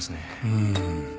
うん。